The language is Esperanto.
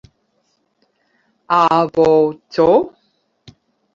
A… B… Ĉ?